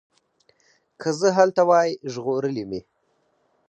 که زه هلته وای ژغورلي مي